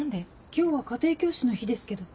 今日は家庭教師の日ですけど。